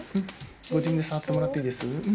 ご自分で触ってもらっていいです